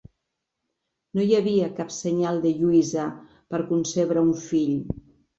No hi havia cap senyal de Lluïsa per concebre un fill.